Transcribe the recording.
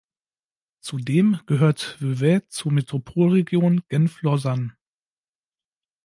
Zudem gehört Vevey zur Metropolregion Genf-Lausanne.